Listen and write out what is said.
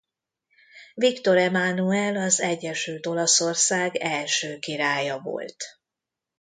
Viktor Emánuel az egyesült Olaszország első királya volt.